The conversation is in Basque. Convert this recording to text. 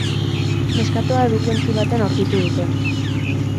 Neskatoa edukiontzi batean aurkitu dute.